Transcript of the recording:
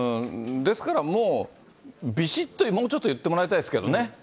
ですからもう、びしっと、もうちょっと言ってもらいたいですけどね。